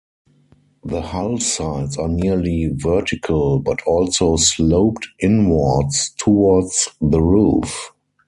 The hull sides are nearly vertical, but also sloped inwards towards the roof.